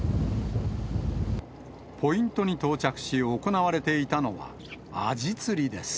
ポイントに到着し、行われていたのはアジ釣りです。